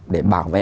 để bảo vệ